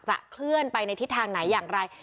เคลื่อนไปในทิศทางไหนอย่างไร